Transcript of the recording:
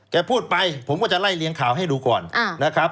แกพูดไปผมก็จะไล่เลี้ยงข่าวให้ดูก่อน